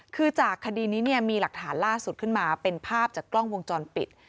คือจากคดีนี้เนี่ยมีหลักฐานล่าสุดขึ้นมาเป็นภาพจากกล้องวงจรปิด